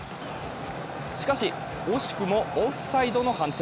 しかし惜しくもオフサイドの判定。